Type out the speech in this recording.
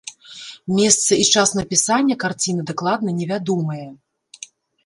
Месца і час напісання карціны дакладна невядомыя.